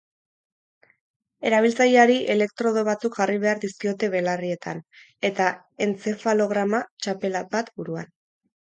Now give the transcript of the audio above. Erabiltzaileari elektrodo batzuk jarri behar dizkiote belarrietan, eta entzefalograma txapela bat buruan.